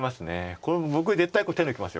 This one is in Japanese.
これもう僕絶対手抜きます